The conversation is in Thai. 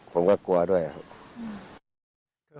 ผมก็กลัวด้วยครับ